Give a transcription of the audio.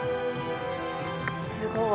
すごい。